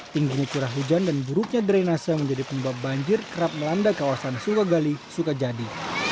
tingginya curah hujan dan buruknya drainase yang menjadi penyebab banjir kerap melanda kawasan sukagali sukajadi